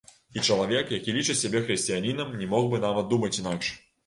І чалавек, які лічыць сябе хрысціянінам, не мог бы нават думаць інакш.